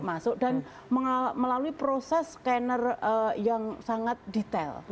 masuk dan melalui proses scanner yang sangat detail